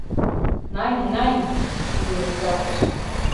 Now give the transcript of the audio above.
— Найн, найн! — вуйым рӱзалтыш.